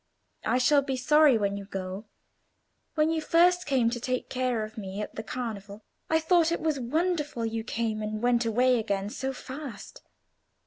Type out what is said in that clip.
I shall be sorry when you go. When you first came to take care of me at the Carnival, I thought it was wonderful; you came and went away again so fast.